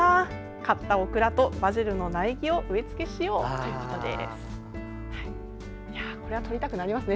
買ったオクラとバジルの苗木を植え付けしようということです。